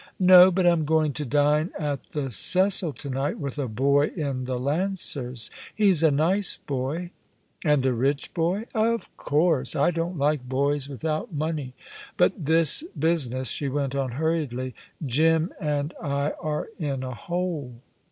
"No; but I'm going to dine at the Cecil to night, with a boy in the Lancers. He's a nice boy." "And a rich boy?" "Of course! I don't like boys without money. But this business," she went on hurriedly. "Jim and I are in a hole."